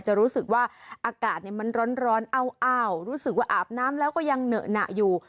จะรู้สึกว่าอากาศมันร้อนอ้าวรู้สึกว่าอาบน้ำแล้วก็ยังเหนอะหนักอยู่